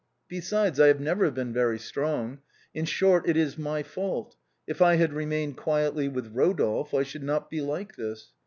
Besides, I have never been very strong, in short it is my fault; if I had remained quietly with Rodolphe I should not be like this.